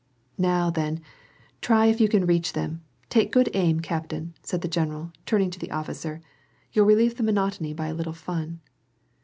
" Now, then, try if you can reach them — take good aim, captain," said the general, turning to the officer. "You'll relieve the monotony by a little fun."